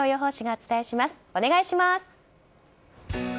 お願いします。